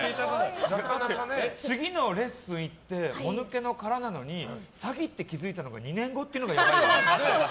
次のレッスン行ってもぬけの殻なのに詐欺って気づいたのが２年後っていうのがやばいよね。